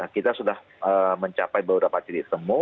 kita sudah mencapai baru dapat titik temu